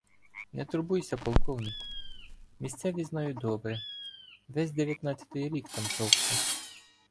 — Не турбуйся, полковнику! Місцевість знаю добре — весь дев'ятнадцятий рік там товкся.